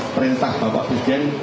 perintah bapak presiden